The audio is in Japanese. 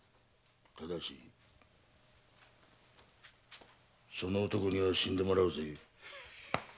ただしその男には死んでもらうぜ。